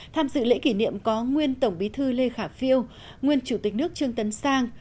tham dự lễ kỷ niệm có nguyên tổng bí thư lê khả phiêu nguyên chủ tịch nước trương tấn sang